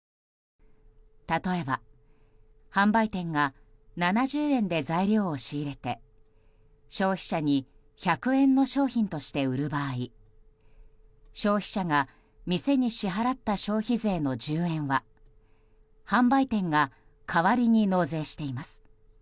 例えば、販売店が７０円で材料を仕入れて消費者に１００円の商品として売る場合消費者が店に支払った消費税の１０円は販売店が代わりに納税しています。